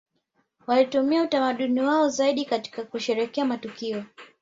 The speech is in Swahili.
Walitumia utamaduni wao zaidi katika kusherehekea matukio